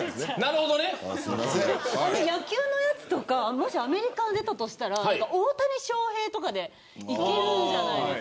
野球のやつとかもしアメリカに出たとしたら大谷翔平とかでいけるんじゃないですか。